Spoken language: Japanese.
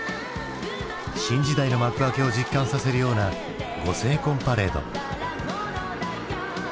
新時代の幕開けを実感させるようなご成婚パレード。